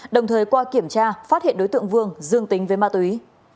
đồng thời qua kiểm tra phát hiện đối tượng vương dương tính với ma túy